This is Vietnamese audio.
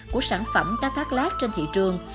của sản phẩm cá thác lát trên thị trường